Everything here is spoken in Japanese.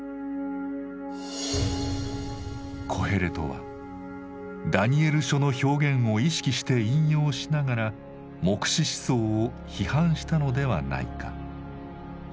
コヘレトは「ダニエル書」の表現を意識して引用しながら黙示思想を批判したのではないか。